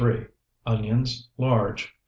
Onions, large, 2.